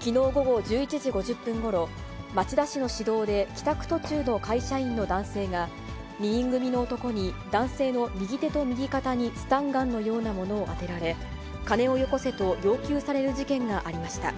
きのう午後１１時５０分ごろ、町田市の市道で、帰宅途中の会社員の男性が、２人組の男に男性の右手と右肩にスタンガンのようなものを当てられ、金をよこせと要求される事件がありました。